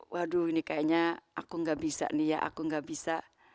waduh ini kayaknya aku gak bisa nih ya aku nggak bisa